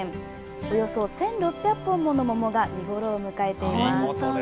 およそ１６００本もの桃が見頃を迎えています。